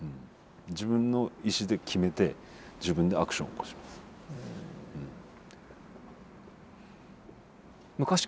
自分の意志で決めて自分でアクション起こします。